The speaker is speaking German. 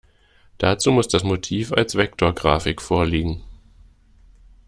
Dazu muss das Motiv als Vektorgrafik vorliegen.